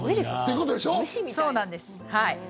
そうなんです。